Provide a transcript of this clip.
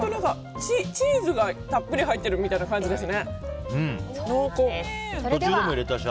チーズがたっぷり入ってるみたいな途中でも入れたし